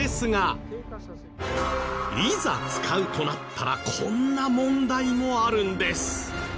いざ使うとなったらこんな問題もあるんです。